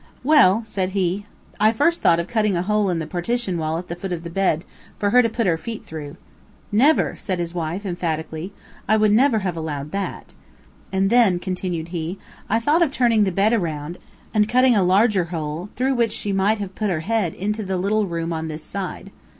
"Well," said he, "I first thought of cutting a hole in the partition wall at the foot of the bed, for her to put her feet through." "Never!" said his wife, emphatically. "I would never have allowed that." "And then," continued he, "I thought of turning the bed around, and cutting a larger hole, through which she might have put her head into the little room on this side.